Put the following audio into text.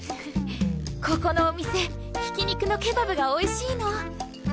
ここのお店ひき肉のケバブがおいしいの。